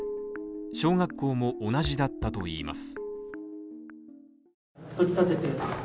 小学校も同じだったといいます。